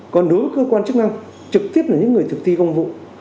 còn đối với cơ quan chức năng trực tiếp là những người thực thi công vụ